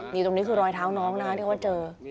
นี่ตรงนี้คือรอยเท้าน้องนะคะที่เขาเจอ